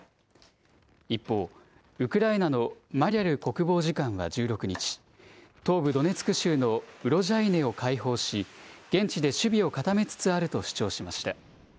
一方、ウクライナのマリャル国防次官は１６日、東部ドネツク州のウロジャイネを解放し、現地で守備を固めつつあると主張しました。